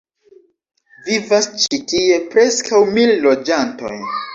Vivas ĉi tie preskaŭ mil loĝantoj.